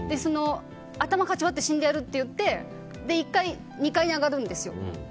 頭かち割って死んでやるって言って１回、２階に上がるんですよ。